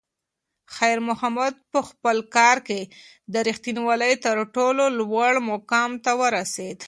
خیر محمد په خپل کار کې د رښتونولۍ تر ټولو لوړ مقام ته ورسېد.